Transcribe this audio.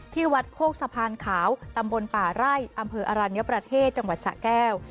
ที่วัดโคกสะพานขาวตำบลป่าไร่อำเภออรัญญประเทศจังหวัดสะแก้ว